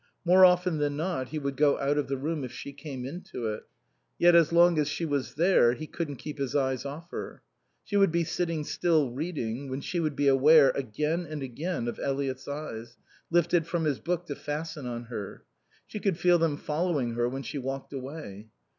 More often than not he would go out of the room if she came into it. Yet as long as she was there he couldn't keep his eyes off her. She would be sitting still, reading, when she would be aware, again and again, of Eliot's eyes, lifted from his book to fasten on her. She could feel them following her when she walked away.